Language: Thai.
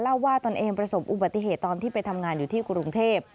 เล่าว่าตนเองประสบอุบัติเหตุตอนที่ไปทำงานอยู่ที่กรุงเทพ